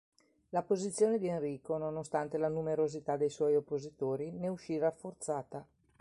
La posizione di Enrico, nonostante la numerosità dei suoi oppositori, ne uscì rafforzata.